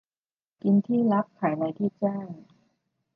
กินที่ลับไขที่แจ้ง